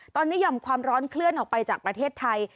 ตอนนี้หย่อมความร้อนเคลื่อนออกไปจากประเทศไทย